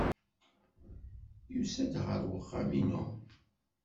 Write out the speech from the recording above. Yusa-d ɣer uxxam-inu.